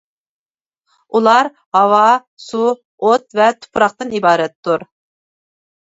ئۇلار ھاۋا، سۇ، ئوت ۋە تۇپراقتىن ئىبارەتتۇر.